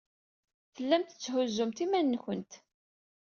Tellamt tetthuzzumt iman-nwent.